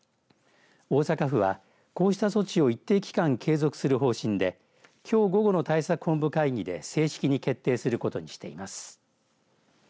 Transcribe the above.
大阪府は、こうした措置を一定期間継続する方針できょう午後の対策本部会議で正式に決定することにしています。